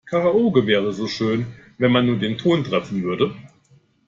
Karaoke wäre so schön, wenn man den Ton treffen würde.